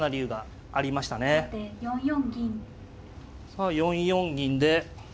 さあ４四銀で。